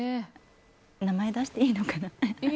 名前出していいのかな？